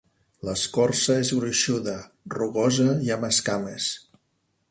L'escorça és gruixuda, rugosa i amb escames.